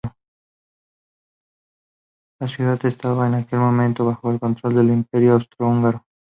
La ciudad estaba en aquel momento bajo el control del Imperio Austro-húngaro.